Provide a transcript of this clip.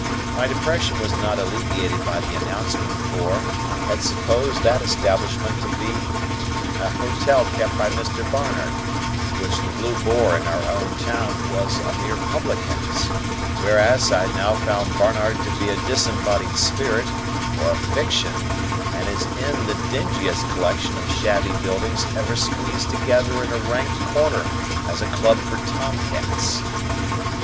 My depression was not alleviated by the announcement, for, I had supposed that establishment to be an hotel kept by Mr. Barnard, to which the Blue Boar in our town was a mere public house. Whereas I now found Barnard to be a disembodied spirit, or a fiction, and his inn the dingiest collection of shabby buildings ever squeezed together in a rank corner as a club for Tom cats.